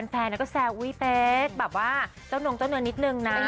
แฟนก็แซวอุ๊ยเป๊กแบบว่าเจ้านงเจ้าเนินนิดนึงนะ